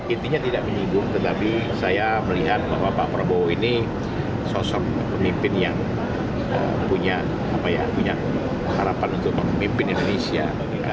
intinya tidak menyinggung tetapi saya melihat bahwa pak prabowo ini sosok pemimpin yang punya harapan untuk memimpin indonesia